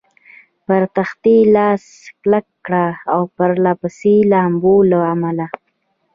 پر تختې لاس کلک کړ، د پرله پسې لامبو له امله.